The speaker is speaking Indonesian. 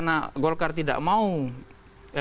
enggak ada hal